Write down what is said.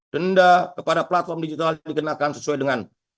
denda kepada platform digital dikenakan sesuai dengan